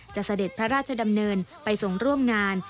เสด็จพระราชดำเนินไปทรงร่วมงาน